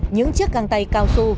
những chiếc càng tay cao sâu